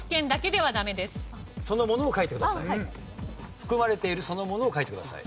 含まれているそのものを書いてください。